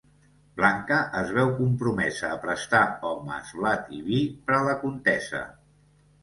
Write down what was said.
Blanca es veu compromesa a prestar homes, blat i vi per a la contesa.